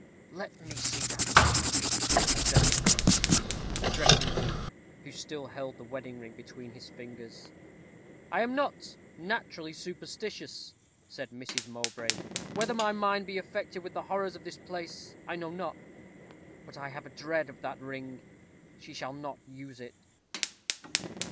"Let me see that ring," said the priest, addressing Luke, who still held the wedding ring between his fingers. "I am not naturally superstitious," said Mrs. Mowbray; "whether my mind be affected with the horrors of this place, I know not; but I have a dread of that ring. She shall not use it."